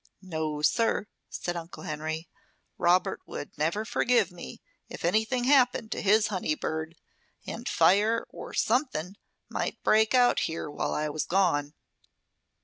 "No, sir," said Uncle Henry. "Robert would never forgive me if anything happened to his honey bird. And fire, or something, might break out here while I was gone."